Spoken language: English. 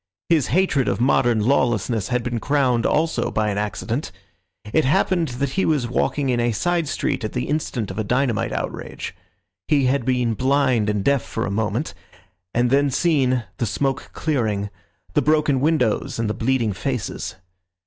His hatred of modern lawlessness had been crowned also by an accident. It happened that he was walking in a side street at the instant of a dynamite outrage. He had been blind and deaf for a moment, and then seen, the smoke clearing, the broken windows and the bleeding faces.